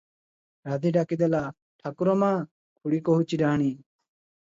ରାଧୀ ଡାକି ଦେଲା "ଠାକୁର ମା, ଖୁଡି କହୁଛି ଡାହାଣୀ ।"